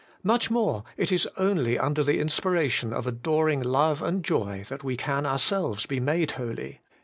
Much more, it is only under the inspiration of adoring love and joy that we can ourselves be made holy.